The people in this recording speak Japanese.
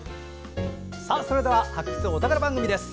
それでは「発掘！お宝番組」です。